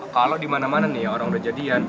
kalo dimana mana nih orang udah jadian